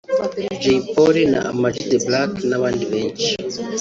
Jay Polly na Ama-G The Black n’abandi benshi